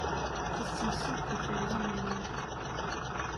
Tessemsed tiferyin-nni.